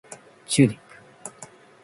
チューリップ